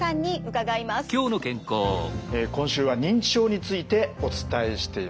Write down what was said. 今週は認知症についてお伝えしています。